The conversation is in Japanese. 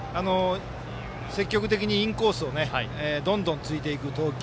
積極的にインコースをどんどん突いていく投球。